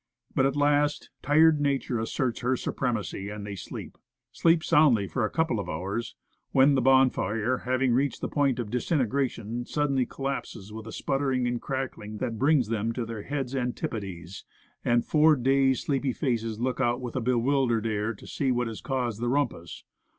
But at last, tired nature asserts her supremacy, and they sleep. Sleep soundly, for a couple of hours; when the bonfire, having reached the point of disintegration, suddenly collapses with a sputtering and crackling that brings them to their head's antipodes, and four dazed, sleepy faces, look out with a bewildered ajr, to see what has caused the rumpus.